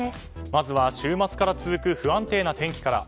まずは週末から続く不安定な天気から。